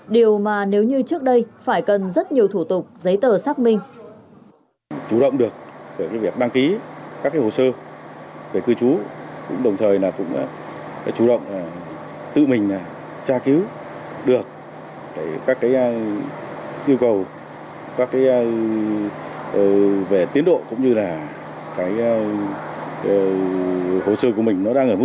điều mà nếu như trước đây phải cần rất nhiều thủ tục giấy tờ xác minh